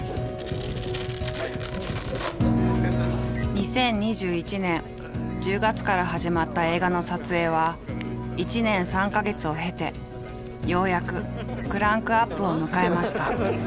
２０２１年１０月から始まった映画の撮影は１年３か月を経てようやくクランクアップを迎えました。